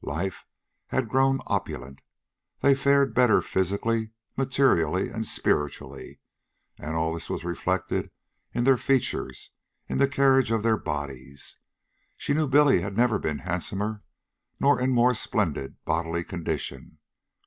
Life had grown opulent. They fared better physically, materially, and spiritually; and all this was reflected in their features, in the carriage of their bodies. She knew Billy had never been handsomer nor in more splendid bodily condition.